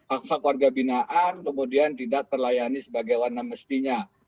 aksa keluarga binaan kemudian tidak terlayani sebagai warna mestinya